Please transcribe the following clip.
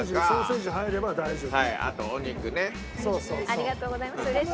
ありがとうございます嬉しい。